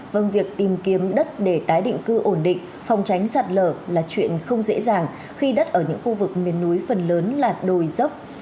vâng việc tìm kiếm đất để tái định cư ổn định phòng tránh sạt lở là chuyện không dễ dàng khi đất ở những khu vực miền núi phần lớn là đồi dốc